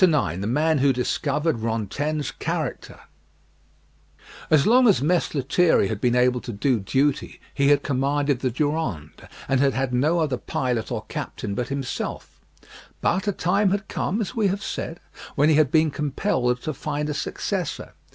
IX THE MAN WHO DISCOVERED RANTAINE'S CHARACTER As long as Mess Lethierry had been able to do duty, he had commanded the Durande, and had had no other pilot or captain but himself; but a time had come, as we have said, when he had been compelled to find a successor.